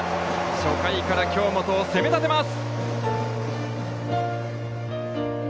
初回から京本を攻め立てます。